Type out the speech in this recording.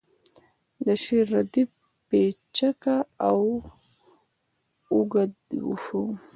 د شعر ردیف پیچکه و او اوږد شو